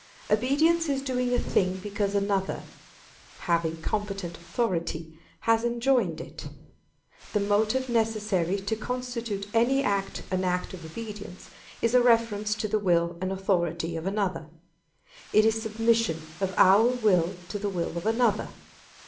Obedience is doing a thing because another, having competent authority, has enjoined it. The motive necessary to constitute any act an act of obedience, is a reference to the will and authority of another. It is submission of our will to the will of another.